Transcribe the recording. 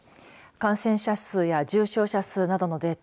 感染者数や重症者数などのデータ